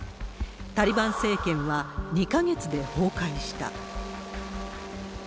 タリバン政権は２か月で崩壊した。